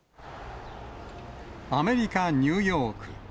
アメリカ・ニューヨーク。